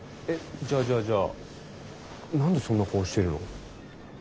えっじゃあじゃあじゃあ何でそんな顔してるの？